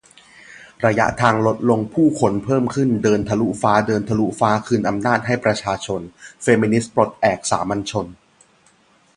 ระยะทางลดลงผู้คนเพิ่มขึ้น เดินทะลุฟ้า เดินทะลุฟ้าคืนอำนาจให้ประชาชน เฟมินิสต์ปลดแอก สามัญชน